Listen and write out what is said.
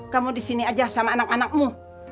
kamu di sini aja sama anak anakmu